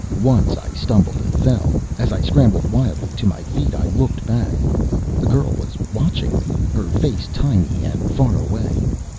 Once I stumbled and fell. As I scrambled wildly to my feet I looked back. The girl was watching me, her face tiny and far away.